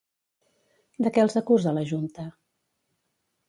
De què els acusa la junta?